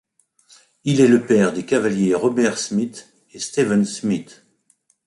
Il est le père des cavaliers Robert Smith et Steven Smith.